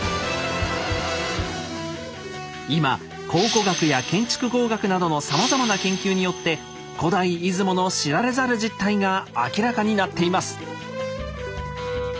今考古学や建築工学などのさまざまな研究によって古代出雲の知られざる実態が明らかになっています。